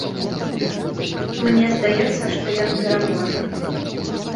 Мне здаецца, што ён пераможа.